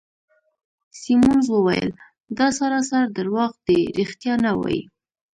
سیمونز وویل: دا سراسر درواغ دي، ریښتیا نه وایې.